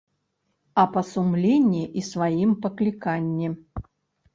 А па сумленні і сваім пакліканні.